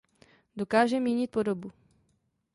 Dokáže měnit podobu.